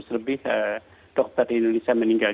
dua ratus lebih dokter di indonesia meninggal